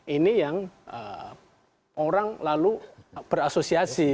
ini yang orang lalu berasosiasi